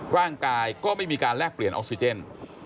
ร่างกายก็ไม่มีการแลกเปลี่ยนออกซิเจน